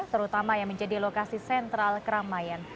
terutama yang menjadi lokasi sentral keramaian